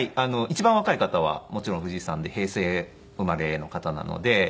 一番若い方はもちろん藤井さんで平成生まれの方なので。